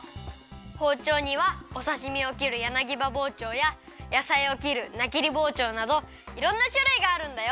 ほうちょうにはおさしみを切るやなぎばぼうちょうややさいを切るなきりぼうちょうなどいろんなしゅるいがあるんだよ。